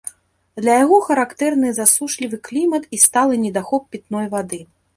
Для яго характэрны засушлівы клімат і сталы недахоп пітной вады.